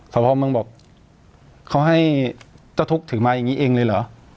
สภาพมึงบอกเขาให้เจ้าทุกข์ถือมาอย่างนี้เองเลยเหรอ